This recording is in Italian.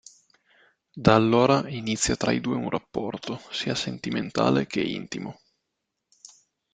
Da allora inizia tra i due un rapporto, sia sentimentale che intimo.